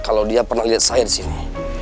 kalau dia pernah lihat saya disini